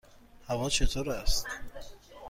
هوا چطور است؟